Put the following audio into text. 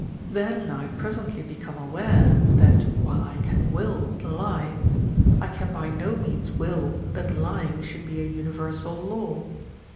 Then I presently become aware that while I can will the lie, I can by no means will that lying should be a universal law.